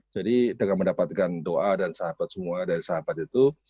jadi dengan mendapatkan doa dan sahabat semua dari sahabat itu